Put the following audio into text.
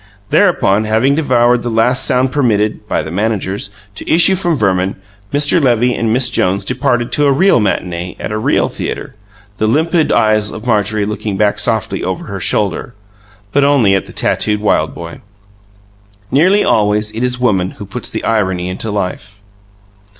Thereupon, having devoured the last sound permitted (by the managers) to issue from Verman, Mr. Levy and Miss Jones departed to a real matinee at a real theatre, the limpid eyes of Marjorie looking back softly over her shoulder but only at the tattooed wild boy. Nearly always it is woman who puts the irony into life.